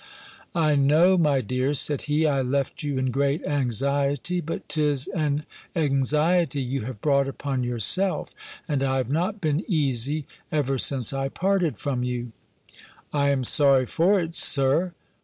"I know, my dear," said he, "I left you in great anxiety; but 'tis an anxiety you have brought upon yourself; and I have not been easy ever since I parted from you." "I am sorry for it, Sir."